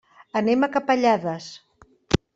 Anem a Capellades.